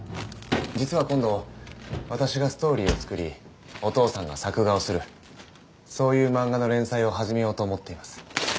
実は今度私がストーリーを作りお父さんが作画をするそういう漫画の連載を始めようと思っています